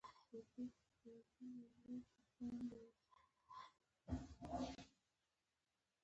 له هره اړخه روا عمل وو.